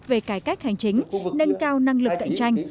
về cải cách hành chính nâng cao năng lực cạnh tranh